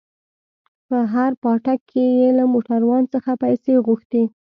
په هر پاټک کښې يې له موټروان څخه پيسې غوښتې.